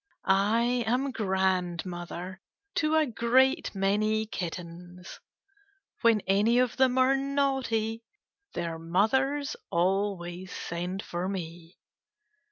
I am grandmother to a great many kittens. When any of them are naughty their mothers always send for me.